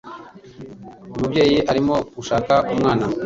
Umubyeyi arimo gushaka umwana.